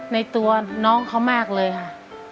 ในตัวน้องเขามากเลยค่ะ